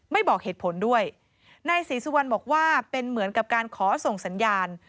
บอกเหตุผลด้วยนายศรีสุวรรณบอกว่าเป็นเหมือนกับการขอส่งสัญญาณ